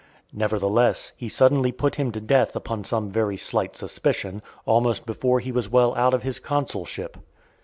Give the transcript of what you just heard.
Nevertheless, he suddenly put him to death upon some very slight suspicion , almost before he was well out of his consulship.